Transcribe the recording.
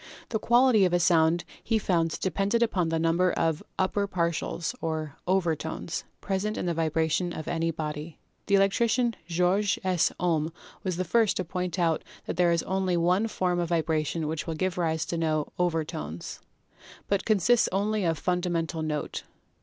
The Quality of a sound he found depended upon the number of "upper partials," or "overtones," pres ent in the vibration of any body. The electrician Georg S. Ohm was the first to point out that there is only one form of vibration which will give rise to no "overtones," but consists only of the fundamental note.